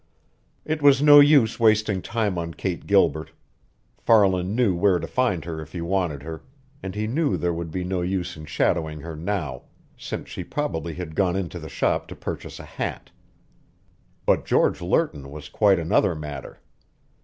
It was no use wasting time on Kate Gilbert. Farland knew where to find her if he wanted her, and he knew there would be no use in shadowing her now, since she probably had gone into the shop to purchase a hat. But George Lerton was quite another matter.